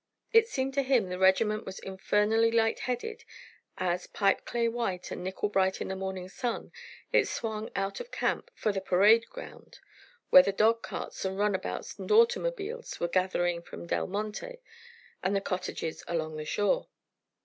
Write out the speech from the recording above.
It seemed to him the regiment was infernally light hearted, as, pipe clay white and nickel bright in the morning sun, it swung out of camp for the parade ground, where the dog carts and runabouts and automobiles were gathering from Del Monte and the cottages along the shore.